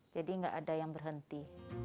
jadi tidak ada yang berhenti